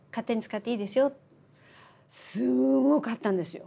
すごかったんですよ。